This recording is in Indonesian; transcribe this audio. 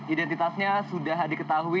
identitasnya sudah diketahui